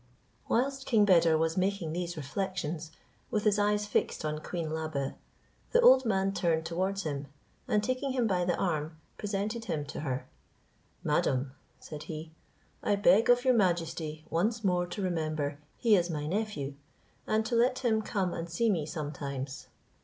Whilst King Beder was making these reflections with his eyes fixed on queen Labe, the old man turned towards him, and taking him by the arm, presented him to her: "Madam," said he, "I beg of your majesty once more to remember he is my nephew, and to let him come and see me sometimes."